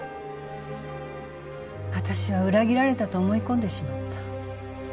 私は裏切られたと思い込んでしまった。